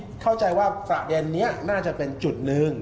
เข้าใจว่าประเด็นนี้น่าจะเป็นจุดหนึ่ง